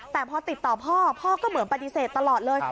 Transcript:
แต่พอติดต่อพ่อพ่อก็เหมือนปฏิเสธตลอดเลย